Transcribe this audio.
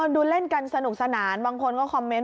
ดูเล่นกันสนุกสนานบางคนก็คอมเมนต